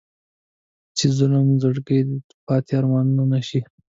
چې په ظالم زړګي دې پاتې ارمانونه نه شي.